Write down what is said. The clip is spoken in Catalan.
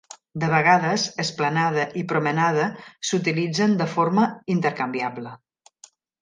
De vegades, "esplanade" i "promenade" s'utilitzen de forma intercanviable.